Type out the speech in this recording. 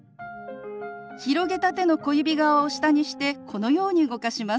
広げた手の小指側を下にしてこのように動かします。